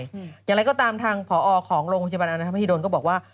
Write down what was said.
อย่างไรก็ตามทางพอของโรงพจบันอาณาธรรมฮิโดนก็บอกว่า